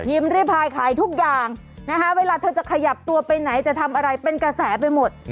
รีบพายขายทุกอย่างนะคะเวลาเธอจะขยับตัวไปไหนจะทำอะไรเป็นกระแสไปหมด